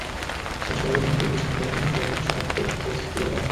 শেষ পর্বে ভেন্যু প্রতিষ্ঠানের প্রধানের হাতে স্মারক ক্রেস্ট তুলে দেওয়া হয়।